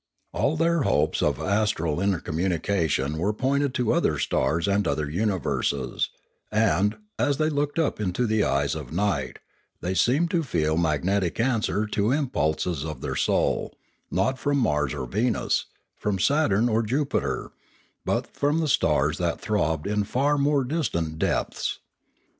All their hopes of astral inter communication were pointed to other stars and other universes; and, as they looked up into the eyes of night, they seemed to feel magnetic answer to the im pulses of their souls, not from Mars or Venus, from Saturn or Jupiter, but from the stars that throbbed in far more distant depths.